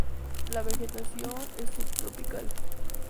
La vegetación es subtropical.